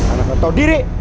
anak anak tau diri